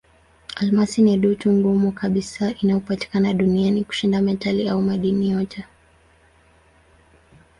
Almasi ni dutu ngumu kabisa inayopatikana duniani kushinda metali au madini yote.